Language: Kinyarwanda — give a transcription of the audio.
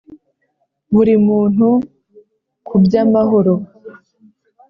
buri muntu k’uby’amahoro